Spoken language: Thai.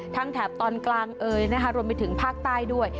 แถบตอนกลางเอยนะคะรวมไปถึงภาคใต้ด้วย